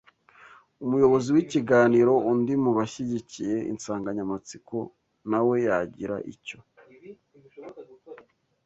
Umuyobozi w’ikiganiro Undi mu bashyigikiye insanganyamatsiko nawe yagira icyo